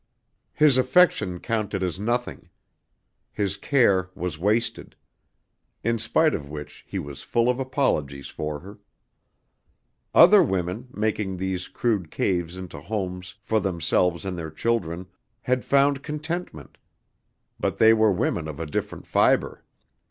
His affection counted as nothing. His care was wasted. In spite of which he was full of apologies for her. Other women, making these crude caves into homes for themselves and their children, had found contentment, but they were women of a different fibre.